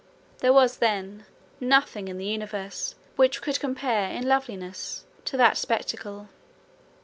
There was then nothing in the universe which could compare in loveliness to that spectacle.